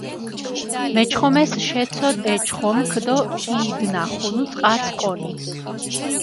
მეჩხომეს შეცოდჷ ე ჩხომქ დო ქიდნახუნუ წყარს კონი.